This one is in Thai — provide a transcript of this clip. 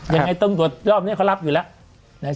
ยังไงตำรวจรอบนี้เขารับอยู่แล้ว